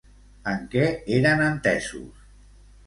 En què eren entesos?